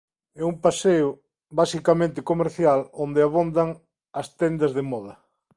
É un paseo basicamente comercial onde abundan as tendas de moda.